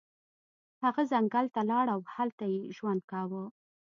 هغه ځنګل ته لاړ او هلته یې ژوند کاوه.